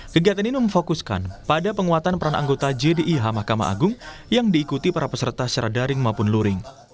kegiatan ini memfokuskan pada penguatan peran anggota jdih mahkamah agung yang diikuti para peserta secara daring maupun luring